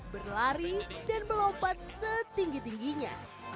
berlari dan melompat setinggi tingginya